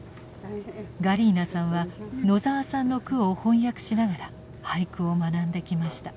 ガリーナさんは野澤さんの句を翻訳しながら俳句を学んできました。